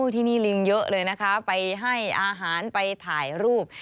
ที่นี่ลิงเยอะเลยนะคะไปให้อาหารไปถ่ายรูป